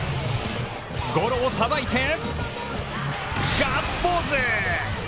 ゴロをさばいてガッツポーズ。